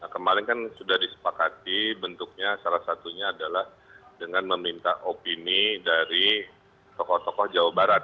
kemarin kan sudah disepakati bentuknya salah satunya adalah dengan meminta opini dari tokoh tokoh jawa barat